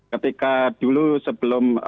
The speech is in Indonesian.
ketika dulu sebelum